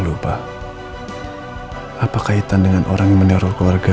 lupa hai apa kaitan dengan orang yangakala kel